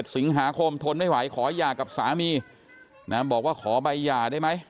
สิงหาคมทนไม่ไหวขอหย่ากับสามีนะบอกว่าขอใบหย่าได้ไหม